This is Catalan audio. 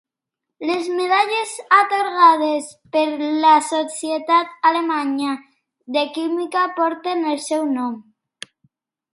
Les medalles atorgades per la Societat Alemanya de Química porten el seu nom.